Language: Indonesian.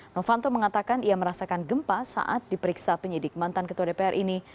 novanto mengatakan ia merasakan gempa saat diperiksa penyidik mantan ketua dpr ini